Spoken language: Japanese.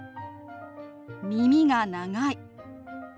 「耳が長い」。